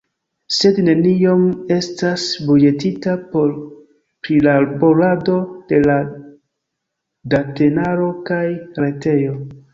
Sed neniom estas buĝetita por prilaborado de la datenaro kaj retejo.